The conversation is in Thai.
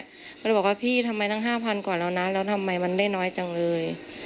ก็เลยบอกว่าพี่ทำไมตั้ง๕๐๐กว่าแล้วนะแล้วทำไมมันได้น้อยจังเลย